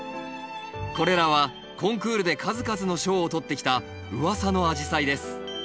これらはコンクールで数々の賞を取ってきたうわさのアジサイです。